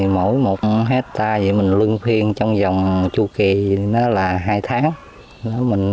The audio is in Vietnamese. mỗi một hectare mình luân phiên trong dòng chu kỳ là hai tháng